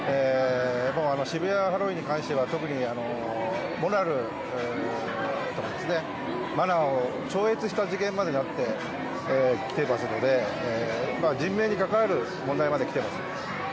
渋谷ハロウィーンに関しては特にモラルとか、マナーを超越したことになってきていますので人命に関わる問題まできています。